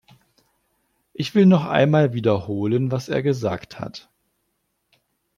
Ich will noch einmal wiederholen, was er gesagt hat.